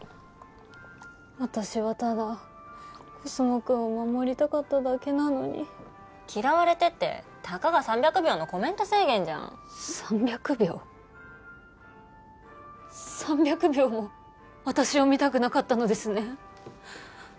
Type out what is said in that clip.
私はただコスモくんを守りたかっただけなのに嫌われてってたかが３００秒のコメント制限じゃん３００秒３００秒も私を見たくなかったのですね